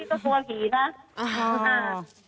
พี่ก็เลยตัดสินใจเล่าลงในเฟสบุ๊คส่วนตัวพี่